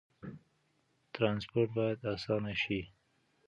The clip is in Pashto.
ترانسپورت باید اسانه شي.